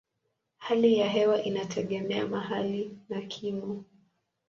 Hali ya hewa inategemea mahali na kimo.